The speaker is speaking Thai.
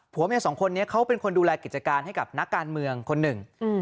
เมียสองคนนี้เขาเป็นคนดูแลกิจการให้กับนักการเมืองคนหนึ่ง